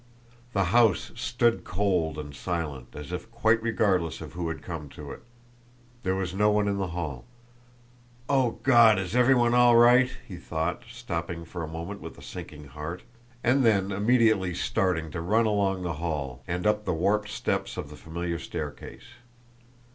The house stood cold and silent, as if quite regardless of who had come to it. There was no one in the hall. "Oh God! Is everyone all right?" he thought, stopping for a moment with a sinking heart, and then immediately starting to run along the hall and up the warped steps of the familiar staircase.